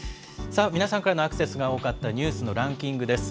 さあ、皆さんからのアクセスが多かったニュースのランキングです。